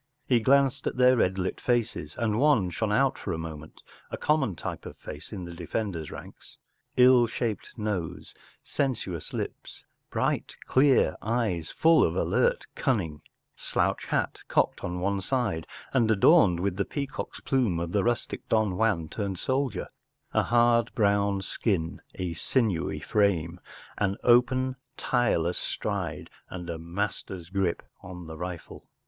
He glanced at their red lit faces, and one shone out for a moment, a common type of face in the defender’s ranks : ill shaped nose, sensuous lips, bright clear eyes full of alert cunning, slouch hat cocked on one side and adorned with the peacock’s plume of the rustic Don Juan turned soldier, a hard brown skin, a sinewy frame, an open, tireless stride, and a master’s grip on the rifle.